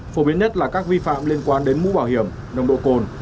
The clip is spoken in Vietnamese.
phổ biến nhất là các vi phạm liên quan đến mũ bảo hiểm nồng độ cồn